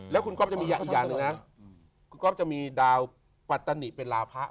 แล้วคุณครอบจะมีอย่างอีกอย่างหนึ่งนะคุณครอบจะมีดาวปรัตนิเป็นลาพะ